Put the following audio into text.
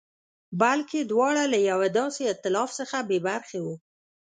بلکې دواړه له یوه داسې اېتلاف څخه بې برخې وو.